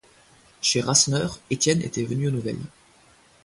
Chez Rasseneur, Étienne était venu aux nouvelles.